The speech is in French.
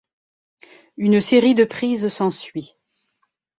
Une série de prises s'ensuit.